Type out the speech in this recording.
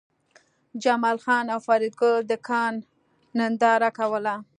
جمال خان او فریدګل د کان ننداره کوله